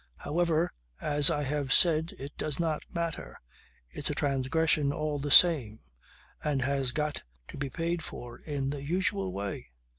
However, as I have said it does not matter. It's a transgression all the same and has got to be paid for in the usual way.